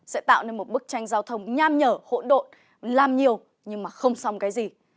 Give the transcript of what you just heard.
sẽ tạo nên một bức tranh giao thông nham nhở hỗn độn làm nhiều nhưng mà không xong cái gì